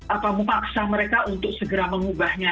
apa memaksa mereka untuk segera mengubahnya